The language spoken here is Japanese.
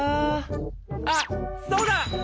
あっそうだ！